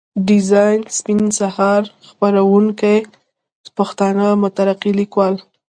ډيزاين سپين سهار، خپروونکی پښتانه مترقي ليکوال.